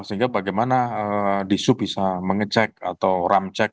sehingga bagaimana disu bisa mengecek atau ram cek